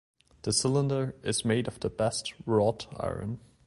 The cylinder is made of the best wrought iron.